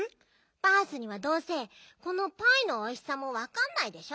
バースにはどうせこのパイのおいしさもわかんないでしょ。